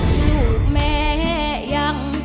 คือร้องได้ให้ร้าง